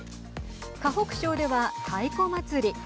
河北省では太鼓祭り。